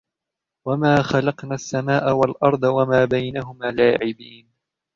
وَمَا خَلَقْنَا السَّمَاءَ وَالْأَرْضَ وَمَا بَيْنَهُمَا لَاعِبِينَ